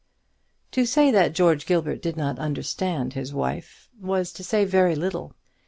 To say that George Gilbert did not understand his wife is to say very little.